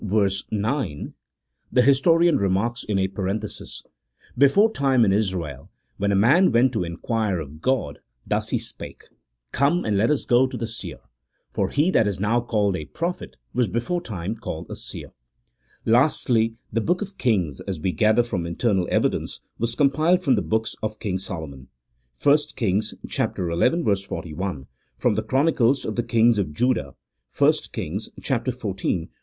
verse 9, the historian remarks in & parenthesis, " Beforetime, in Israel, when a man went to inquire of God, thus he spake : Come, and let us go to the seer ; for he that is now called a prophet was beforetime called a seer." Lastly, the books of Kings, as we gather from internal evidence, were compiled from the books of King Solomon (1 Kings xi. 41), from the chronicles of the kings of Judah (1 Kings xiv.